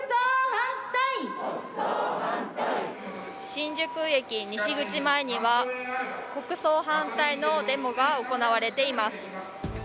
新宿駅西口前には国葬反対のデモが行われています。